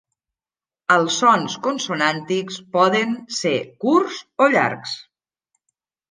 Els sons consonàntics poden ser curts o llargs.